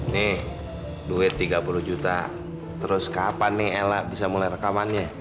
nih duit tiga puluh juta terus kapan nih ella bisa mulai rekamannya